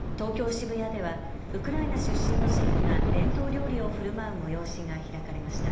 渋谷ではウクライナ出身のシェフが伝統料理をふるまう催しが開かれました。